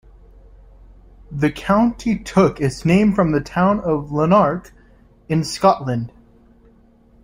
The county took its name from the town of Lanark in Scotland.